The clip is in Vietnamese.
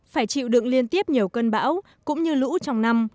phải chịu đựng liên tiếp nhiều cơn bão cũng như lũ trong năm